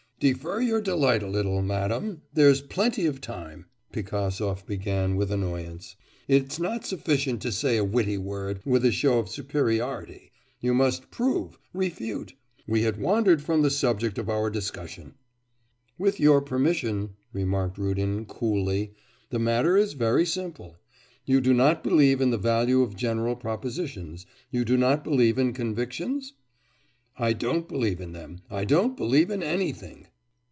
'Defer your delight a little, madam; there's plenty of time!' Pigasov began with annoyance. 'It's not sufficient to say a witty word, with a show of superiority; you must prove, refute. We had wandered from the subject of our discussion.' 'With your permission,' remarked Rudin, coolly, 'the matter is very simple. You do not believe in the value of general propositions you do not believe in convictions?' 'I don't believe in them, I don't believe in anything!